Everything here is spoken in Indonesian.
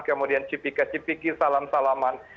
kemudian cipika cipiki salam salaman